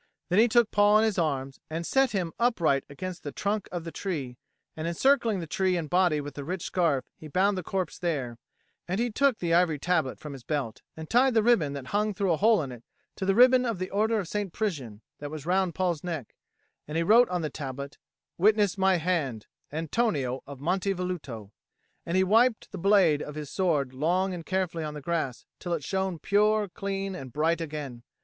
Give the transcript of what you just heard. Then he took Paul in his arms and set him upright against the trunk of the tree, and, encircling tree and body with the rich scarf, he bound the corpse there; and he took the ivory tablet from his belt and tied the riband that hung through a hole in it to the riband of the Order of St. Prisian, that was round Paul's neck, and he wrote on the tablet, "Witness my hand ANTONIO of Monte Velluto." And he wiped the blade of his sword long and carefully on the grass till it shone pure, clean, and bright again.